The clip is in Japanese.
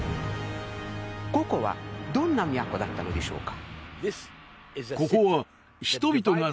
ここはどんな都だったのでしょうか？